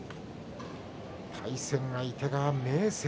対戦相手が明生。